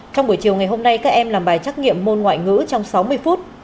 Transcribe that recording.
trong buổi chiều ngày hôm nay các em làm bài trắc nghiệm môn ngoại ngữ trong sáu mươi phút